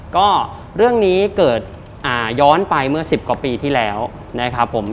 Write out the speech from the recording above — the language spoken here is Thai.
ก็เรื่องนี้เกิดย้อนไปเมื่อ๑๐กว่าปีที่แล้วนะครับผม